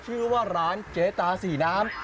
ชื่อว่าร้านเจ๊ตาสีน้ำ